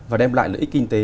và đem lại lợi ích kinh tế